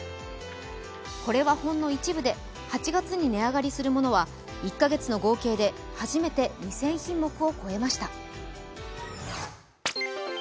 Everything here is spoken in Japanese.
これはほんの一部で、８月に値上がりするものは１カ月の合計で初めて２０００品目を超えました。